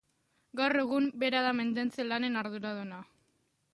Gaur egun, bera da mantentze lanen arduraduna.